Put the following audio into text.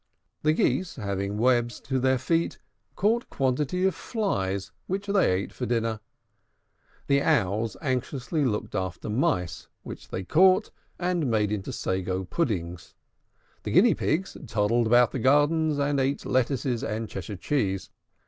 The Geese, having webs to their feet, caught quantities of flies, which they ate for dinner. The Owls anxiously looked after mice, which they caught, and made into sago puddings. The Guinea Pigs toddled about the gardens, and ate lettuces and Cheshire cheese.